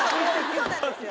そうなんですよ。